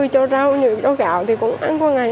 mấy tháng trước thì cũng có người cho gạo thì cũng ăn qua ngày